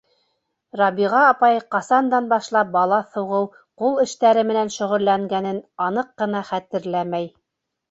Рабиға апай ҡасандан башлап балаҫ һуғыу, ҡул эштәре менән шөғөлләнгәнен аныҡ ҡына хәтерләмәй.